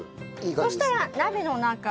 そしたら鍋の中に。